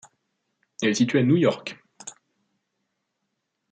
Elle est située à New York.